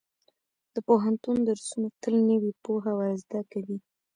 د پوهنتون درسونه تل نوې پوهه ورزده کوي.